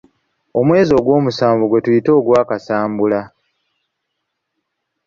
Omwezi ogw'omusanvu gwetuyita ogwa kasambula.